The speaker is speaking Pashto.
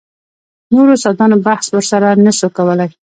نورو استادانو بحث ورسره نه سو کولاى.